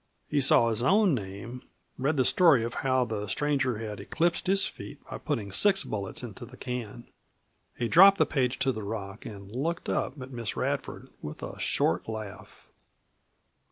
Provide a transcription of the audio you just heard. He saw his own name; read the story of how the stranger had eclipsed his feat by putting six bullets into the can. He dropped the page to the rock and looked up at Miss Radford with a short laugh.